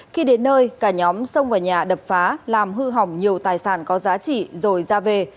khi đến nơi cả nhóm xông vào nhà đập phá làm hư hỏng nhiều tài sản có giá trị rồi ra về